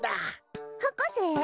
博士？